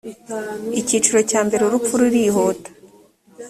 icyiciro cya mbere urupfu rurihuta